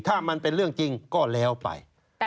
ถ้ามันเป็นเรื่องจริงก็แล้วไป